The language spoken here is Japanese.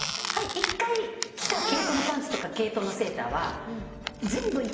一回着た毛糸のパンツとか毛糸のセーターは。